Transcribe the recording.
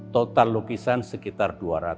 total lukisan sekitar dua ratus